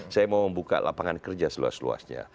saya mau membuka lapangan kerja seluas luasnya